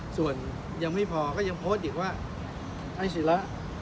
ส่วนยังไม่พอก็ยังโพสต์อีกว่าไอ้ศิระ